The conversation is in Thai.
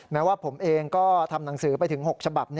แม้ว่าผมเองก็ทำหนังสือไปถึง๖ฉบับ